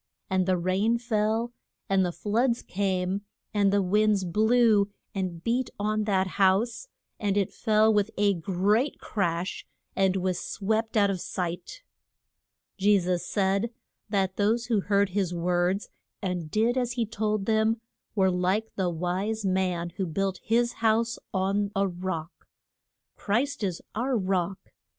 And the rain fell, and the floods came, and the winds blew and beat on that house, and it fell with a great crash, and was swept out of sight. Je sus said that those who heard his words and did as he told them were like the wise man who built his house on a rock. Christ is our Rock.